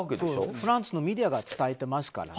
フランスのメディアが伝えていますからね。